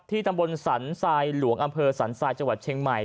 ตำบลสันทรายหลวงอำเภอสันทรายจังหวัดเชียงใหม่